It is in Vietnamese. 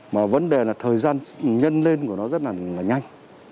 mà vấn đề là thời gian nhân lên của nó rất là nhanh